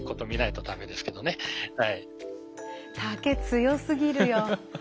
竹強すぎるよ。